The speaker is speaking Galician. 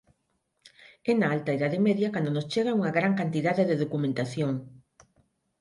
É na Alta Idade Media cando nos chega unha gran cantidade de documentación.